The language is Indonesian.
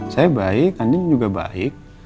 saya baik andi juga baik